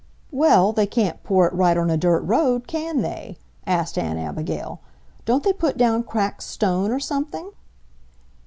"Well, they can't pour it right on a dirt road, can they?" asked Aunt Abigail. "Don't they put down cracked stone or something?"